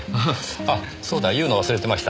あそうだ。言うの忘れてました。